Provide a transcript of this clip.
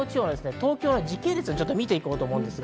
東京は時系列を見ていきます。